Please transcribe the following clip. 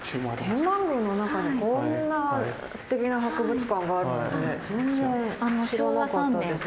天満宮の中にこんなすてきな博物館があるなんて全然知らなかったです。